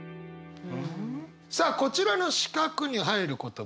さあこちらの四角に入る言葉